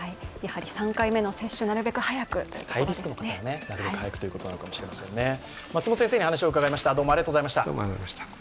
やはり３回目の接種をなるべく早くということですね。